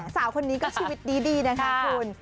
สาวคนนี้ก็ชีวิตดีนะคะคุณ